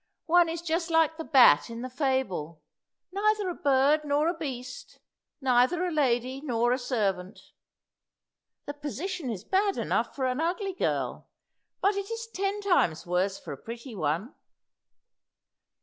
One is just like the bat in the fable, neither a bird nor a beast neither a lady nor a servant. The position is bad enough for an ugly girl; but it is ten times worse for a pretty one."